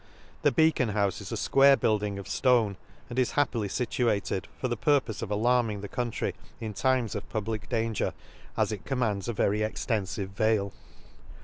— The beacon houfe is a fquare building of ftone, and is happily fituated for the purpofe of alarming the country in times of public danger, as it com * glands a very extenfive vale.